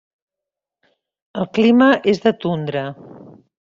El clima és de tundra.